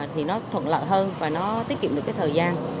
thì nó thuận lợi hơn và nó tiết kiệm được cái thời gian